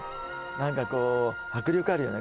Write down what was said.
何かこう迫力あるよね